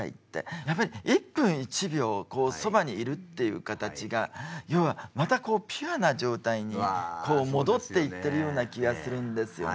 やっぱり１分１秒をこうそばにいるっていう形が要はまたこうピュアな状態にこう戻っていってるような気がするんですよね。